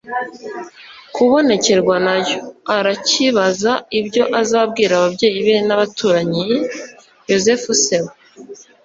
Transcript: kubonekerwa na yo. arakibaza icyo azabwira ababyeyi be n'abaturanyi. yozefu se we